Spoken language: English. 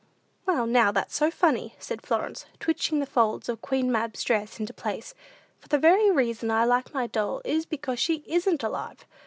"Well, now, that's so funny!" said Florence, twitching the folds of Queen Mab's dress into place; "for the very reason I like my doll, is because she isn't alive.